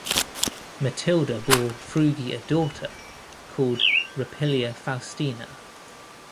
Matidia bore Frugi a daughter called Rupilia Faustina.